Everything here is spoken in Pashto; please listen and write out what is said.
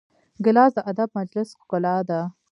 ګیلاس د ادب د مجلس ښکلا ده.